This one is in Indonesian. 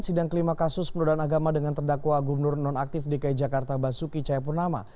sidang kelima kasus penodaan agama dengan terdakwa gubernur nonaktif dki jakarta basuki cahayapurnama